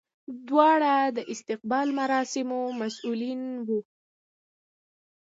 دواړه د استقبال مراسمو مسولین وو.